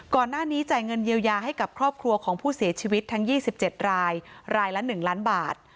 ก่อนหน้านี้จ่ายเงินเยียวยาให้กับครอบครัวของผู้เสียชีวิตทั้ง๒๗รายรายละ๑ล้านบาท